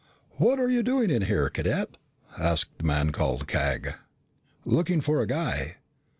"What are you doing in here, Cadet?" asked the man called Cag. "Looking for a guy."